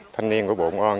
thanh niên của bộ công an